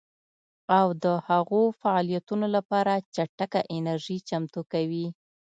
او د هغو فعالیتونو لپاره چټکه انرژي چمتو کوي